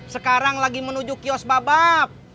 sekarang lagi menuju kiosk bap bap